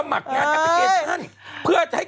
คุณหมอโดนกระช่าคุณหมอโดนกระช่า